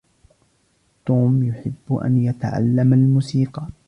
توم يحب أن يتعلم الموسيقى